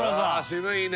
渋いね